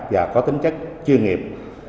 và có tính chất chuyên nghiệp